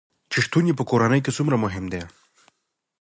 چې شتون يې په کورنے کې څومره مهم وي